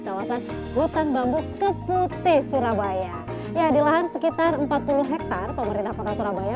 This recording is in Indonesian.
kawasan hutan bambu keputih surabaya ya di lahan sekitar empat puluh hektare pemerintah kota surabaya